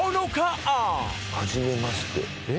「はじめまして」えっ？